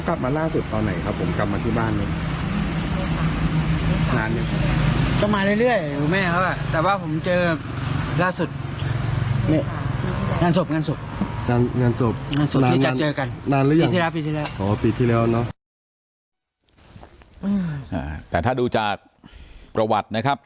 เขากลับมาล่างสุภาพเวลาตอนไหนครับ